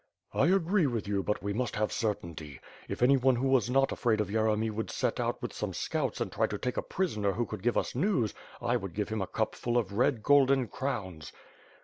"I agree with you, but we must have certainty. If anyone who was not afraid of Yeremy would set out with some scouts and try and take a prisoner who could give us news I would give him a cup full of red golden crowns."